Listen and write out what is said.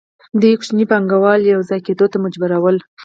دوی کوچني پانګوال یوځای کېدو ته مجبورول